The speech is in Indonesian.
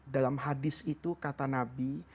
dalam hadis itu kata nabi